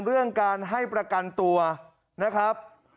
เรื่องการให้ประกันตัวนะครับ